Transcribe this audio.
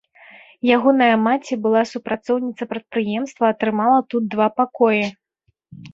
Ягоная маці, былая супрацоўніца прадпрыемства, атрымала тут два пакоі.